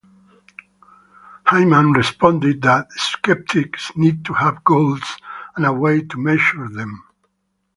Hyman responded that skeptics need to have goals and a way to measure them.